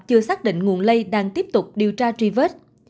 chưa xác định nguồn lây đang tiếp tục điều tra truy vết